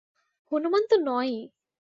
হনুমান তো নয়ই।